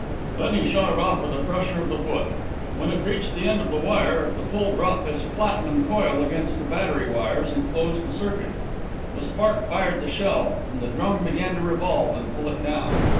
Then he shot it off with a pressure of the foot; when it reached the end of the wire, the pull brought this platinum coil against the battery wires and closed the circuit. The spark fired the shell, and the drum began to revolve and pull it down.